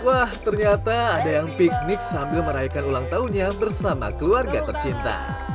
wah ternyata ada yang piknik sambil merayakan ulang tahunnya bersama keluarga tercinta